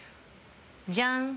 じゃん。